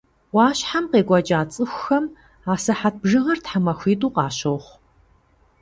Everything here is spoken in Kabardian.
Ӏуащхьэм къекӀуэкӀа цӀыхухэм а сыхьэт бжыгъэр тхьэмахуитӀу къащохъу.